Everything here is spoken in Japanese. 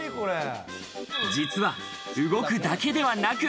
実は動くだけではなく。